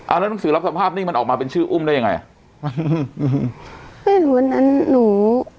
แล้วหนังสือรับสภาพนี่มันออกมาเป็นชื่ออุ้มได้ยังไงอืมวันนั้นหนู